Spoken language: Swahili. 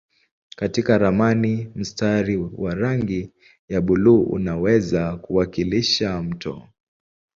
Katika ramani mstari wa rangi ya buluu unaweza kuwakilisha mto.